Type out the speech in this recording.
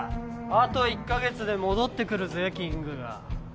あと１カ月で戻ってくるぜキングが。